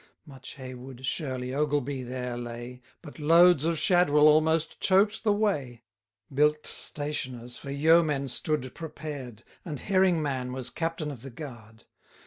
Much Heywood, Shirley, Ogleby there lay, But loads of Shadwell almost choked the way. Bilk'd stationers for yeomen stood prepared, And Herringman was captain of the guard.